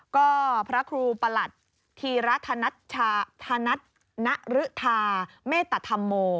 ก็พระครูประหลัดธีรธนรึธาเมตตธรรโม